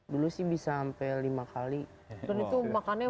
dulu sih bisa sampai lima kali